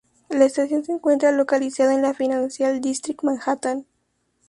La estación se encuentra localizada en el Financial District, Manhattan.